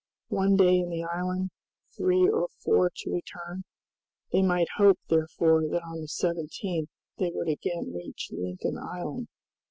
One day in the island, three or four to return, they might hope therefore that on the 17th they would again reach Lincoln Island.